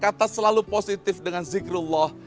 kata selalu positif dengan zikrullah